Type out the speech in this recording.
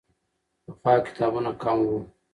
پخوا کتابونه کم وو.